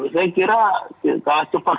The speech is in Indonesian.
saya kira kalah cepat sama mereka